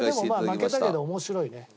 これでも負けたけど面白いね。